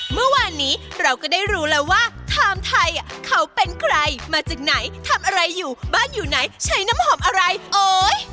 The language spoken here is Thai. เมื่อวานนี้เราก็ได้รู้แล้วว่าไทม์ไทยเขาเป็นใครมาจากไหนทำอะไรอยู่บ้านอยู่ไหนใช้น้ำหอมอะไรโอ๊ย